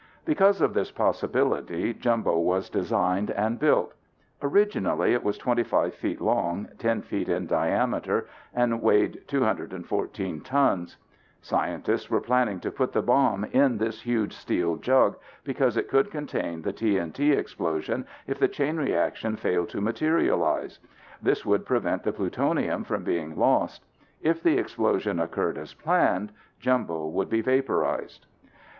Because of this possibility, Jumbo was designed and built. Originally it was 25 feet long, 10 feet in diameter and weighed 214 tons. Scientists were planning to put the bomb in this huge steel jug because it could contain the TNT explosion if the chain reaction failed to materialize. This would prevent the plutonium from being lost. If the explosion occurred as planned, Jumbo would be vaporized.